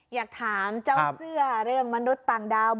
อยากถามเจ้าเสื้อเรื่องมนุษย์ต่างดาว